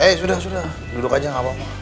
eh sudah sudah duduk aja gak apa apa